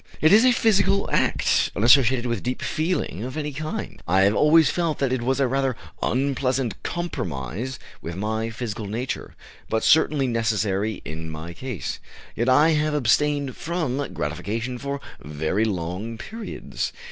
It is a physical act, unassociated with deep feeling of any kind. I have always felt that it was a rather unpleasant compromise with my physical nature, but certainly necessary in my case. Yet, I have abstained from gratification for very long periods.